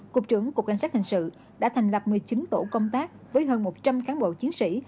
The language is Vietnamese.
cục trưởng cục cảnh sát hình sự đã thành lập một mươi chín tổ công tác với hơn một trăm linh cán bộ chiến sĩ